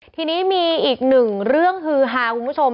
ทีนี้มีอีกหนึ่งเรื่องฮือฮาคุณผู้ชม